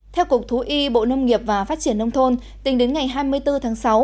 theo cục thú y bộ nông nghiệp và phát triển nông thôn tính đến ngày hai mươi bốn tháng sáu